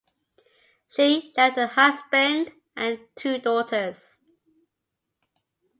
She left her husband and two daughters.